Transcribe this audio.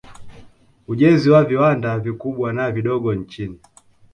Ujenzi wa viwanda vikubwa na vidogo nchini